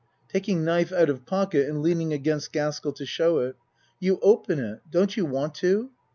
(Taking knife out of pocket and leaning against Gaskell to show it.) You open it. Don't you want to?